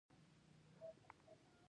آیا او موږ هم کولی نشو؟